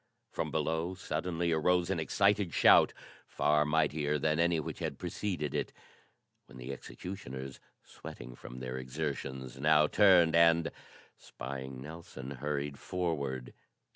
From below suddenly arose an excited shout far mightier than any which had preceded it, when the executioners, sweating from their exertions, now turned and, spying Nelson, hurried forward.